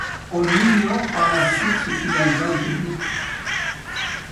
On ignore par la suite ce qu'il advient de lui.